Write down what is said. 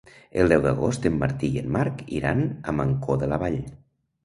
El deu d'agost en Martí i en Marc iran a Mancor de la Vall.